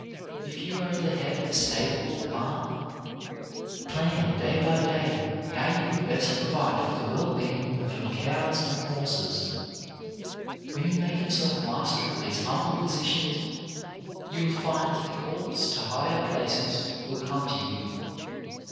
If you are at the head of a stable or barn, plan day by day how you can best provide for the well being of your cows and horses. When you make your self master of these humble positions, you will find that the calls to higher places will come to you.